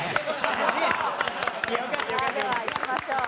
さあではいきましょう。